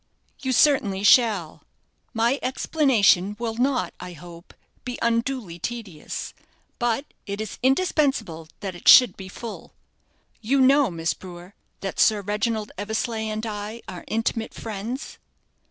"You certainly shall. My explanation will not, I hope, be unduly tedious, but it is indispensable that it should be full. You know, Miss Brewer, that Sir Reginald Eversleigh and I are intimate friends?"